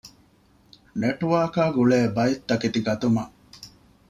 ނެޓްވާރކާގުޅޭ ބައެއްތަކެތި ގަތުމަށް